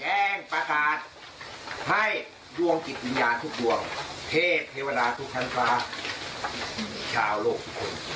แจ้งประกาศให้ดวงกิจวิญญาณทุกดวงเพศเทวดานทุกธัณฑาชาวโลกทุกคน